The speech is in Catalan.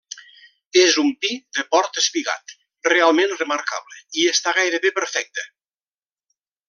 És un pi de port espigat, realment remarcable i està gairebé perfecte.